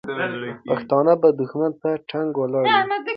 پښتانه به دښمن ته ټینګ ولاړ وو.